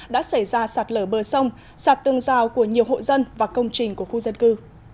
đã xảy ra sạt lở bờ sông sạt tương giao của nhiều hộ dân và công trình của khu dân cư